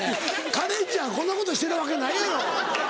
カレンちゃんこんなことしてるわけないやろ。